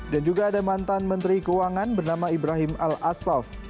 dan juga ada mantan menteri keuangan bernama ibrahim al asaf